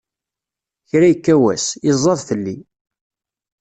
Kra ikka wass, iẓẓad fell-i!